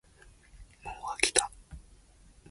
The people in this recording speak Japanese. もうあきた